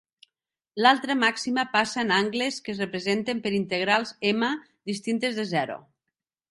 L'altra màxima passa en angles que es representen per integrals "m" distintes de zero.